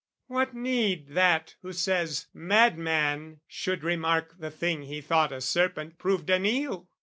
What need that who says "madman" should remark "The thing he thought a serpent proved an eel?"